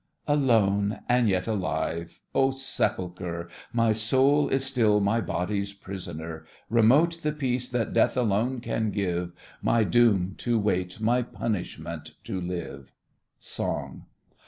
Alone, and yet alive! Oh, sepulchre! My soul is still my body's prisoner! Remote the peace that Death alone can give— My doom, to wait! my punishment, to live! SONG.